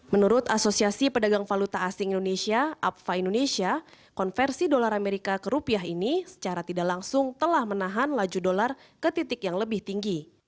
menurut asosiasi pedagang valuta asing indonesia apfa indonesia konversi dolar amerika ke rupiah ini secara tidak langsung telah menahan laju dolar ke titik yang lebih tinggi